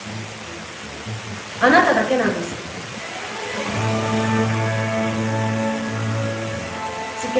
あなただけなんです事件